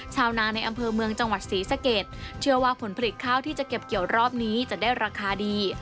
ชาวนาในอำเภอเมืองจังหวัดศรีสะเกดเชื่อว่าผลผลิตข้าวที่จะเก็บเกี่ยวรอบนี้จะได้ราคาดี